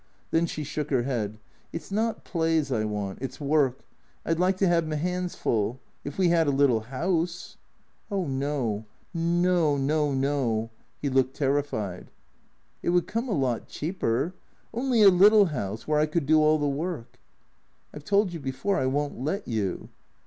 Then she shook her head, " It 's not plays I want — it 's work. I 'd like to have me hands full. If we had a little house "" Oh no. No — no — no." He looked terrified. " It would come a lot cheaper. Only a little house, where I could do all the work." " I 've told you before I won't let you."